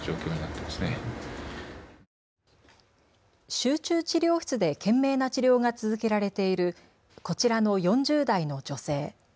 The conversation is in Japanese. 集中治療室で懸命な治療が続けられているこちらの４０代の女性。